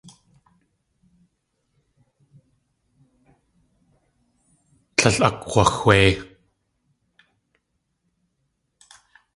Tlél akg̲waxwéi.